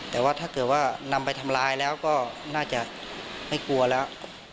แต่ว่าถ้าเกิดว่านำไปทำร้ายแล้วก็น่าจะไม่กลัวแล้ว